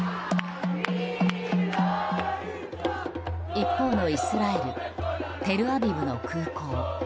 一方のイスラエル・テルアビブの空港。